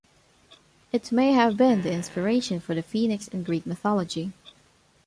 It may have been the inspiration for the phoenix in Greek mythology.